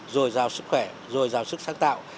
rồi giàu sức khỏe rồi giàu sức sáng tạo